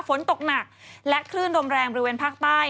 ฝนตกหนักและคลื่นลมแรงบริเวณภาคใต้